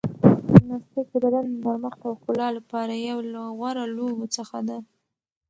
جمناستیک د بدن د نرمښت او ښکلا لپاره یو له غوره لوبو څخه ده.